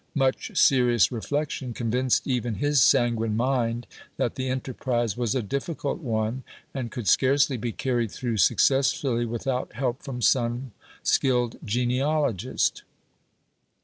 Much serious reflection convinced even his sanguine mind that the enterprise was a difficult one, and could scarcely be carried through successfully without help from some skilled genealogist.